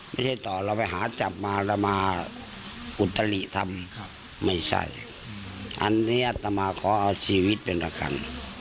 ไม่ใช่ต่อเราไปหาจับมาเรามาอุตริทำไม่ใช่อันนี้อัตมาขอเอาชีวิตเป็นอาการ